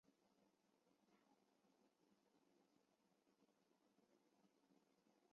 首府塞雷。